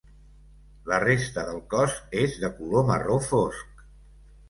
La resta del cos és de color marró fosc.